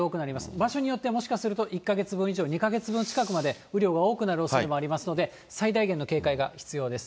場所によってはもしかすると１か月分以上、２か月分近くまで雨量が多くなるおそれもありますので、最大限の警戒が必要です。